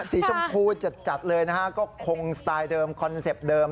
สีชมพูจัดเลยนะฮะก็คงสไตล์เดิมคอนเซ็ปต์เดิม